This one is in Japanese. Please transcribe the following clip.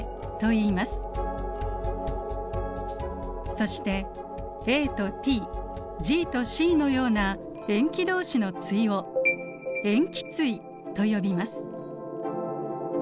そしてＡとＴＧとＣのような塩基どうしの対を塩基対と呼びます。